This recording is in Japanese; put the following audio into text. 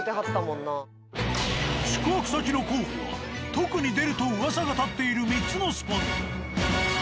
宿泊先の候補は特に出ると噂が立っている３つのスポット。